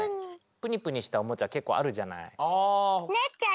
プニプニしたおもちゃけっこうあるじゃない？